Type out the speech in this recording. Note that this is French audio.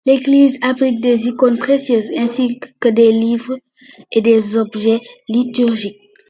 L'église abrite des icônes précieuses ainsi que des livres et des objets liturgiques.